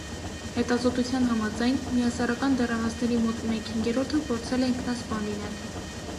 Հետազոտության համաձայն՝ միասեռական դեռահասների մոտ մեկ հինգերորդը փորձել է ինքնասպան լինել։